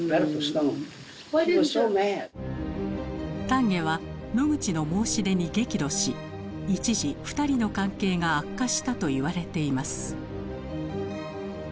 丹下はノグチの申し出に激怒し一時２人の関係が悪化したといわれています。